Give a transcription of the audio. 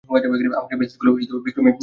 আমাকে মেসেজ গুলো বিক্রমেই পাঠিয়ে ছিল।